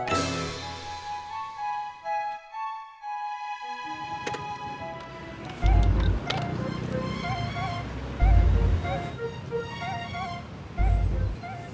bang anak aja belum punya